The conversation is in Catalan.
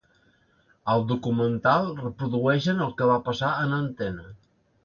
Al documental reprodueixen el que va passar en antena.